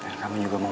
dan teguran buat aku